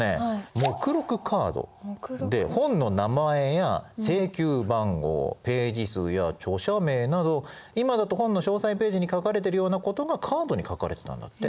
目録カードで本の名前や請求番号ページ数や著者名など今だと本の詳細ページに書かれてるようなことがカードに書かれてたんだって。